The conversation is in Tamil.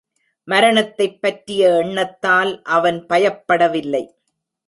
மரணத்தைப் பற்றிய எண்ணத்தால் அவன் பயப்படவில்லை.